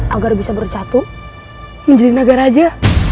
agar bisa bercatu menjadi naga raja